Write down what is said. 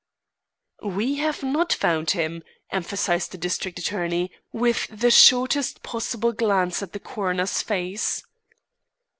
"We have not found him," emphasised the district attorney, with the shortest possible glance at the coroner's face.